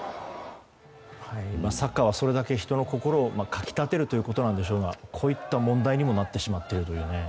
サッカーはそれだけ人の心をかき立てるということなんでしょうけどこういった問題にもなってしまっているというね。